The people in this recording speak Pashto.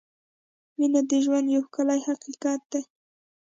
• مینه د ژوند یو ښکلی حقیقت دی.